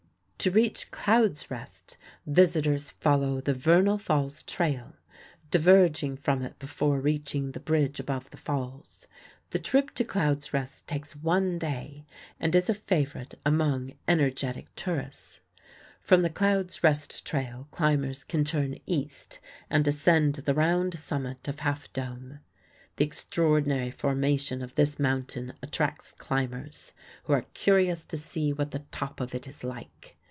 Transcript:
To reach Cloud's Rest visitors follow the Vernal Falls Trail, diverging from it before reaching the bridge above the falls. The trip to Cloud's Rest takes one day, and is a favorite among energetic tourists. From the Cloud's Rest trail climbers can turn east and ascend the round summit of Half Dome. The extraordinary formation of this mountain attracts climbers, who are curious to see what the top of it is like.